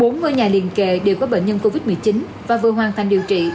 bốn ngôi nhà liên kề đều có bệnh nhân covid một mươi chín và vừa hoàn thành điều trị